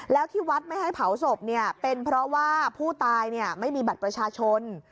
แล้วที่วัดไม่ให้เผาศพเป็นเพราะว่าผู้ตายไม่มีบัตรประชาชน